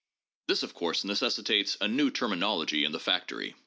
This, of course, necessitates a new terminology in the factory.